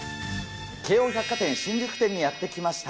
京王百貨店新宿店にやって来ました。